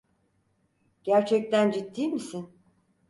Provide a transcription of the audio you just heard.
Gerçekten ciddi misin?